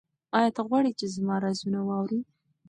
ایا ته غواړې چې زما رازونه واورې؟